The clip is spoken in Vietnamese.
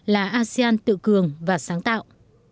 là asean tự cường và sáng tạo